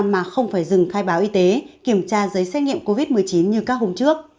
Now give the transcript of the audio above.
mà không phải dừng khai báo y tế kiểm tra giấy xét nghiệm covid một mươi chín như các hôm trước